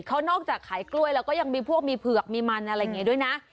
เขานอกจากขายกล้วยแล้วก็ยังมีพวกมีเผือกมีมันอะไรอย่างนี้ด้วยนะ